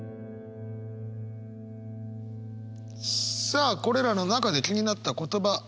さあこれらの中で気になった言葉。